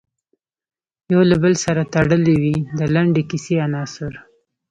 یو له بل سره تړلې وي د لنډې کیسې عناصر.